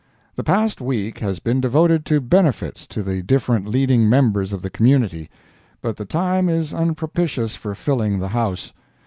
—The past week has been devoted to benefits to the different leading members of the community; but the time is unpropitious for filling the house.